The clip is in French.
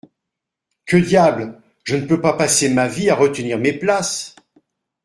Que diable ! je ne peux pas passer ma vie à retenir mes places.